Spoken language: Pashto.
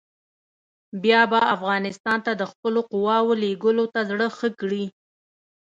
بیا به افغانستان ته د خپلو قواوو لېږلو ته زړه ښه کړي.